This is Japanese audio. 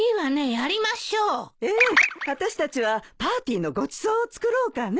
あたしたちはパーティーのごちそうを作ろうかね。